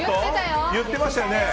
言ってましたよね。